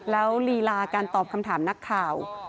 แล้วลีลาการตอบคำถามนักข่าว